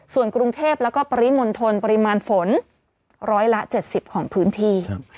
ส่วนกรุงเทพแล้วก็ปริมณฑลปริมาณฝนร้อยละ๗๐ของพื้นที่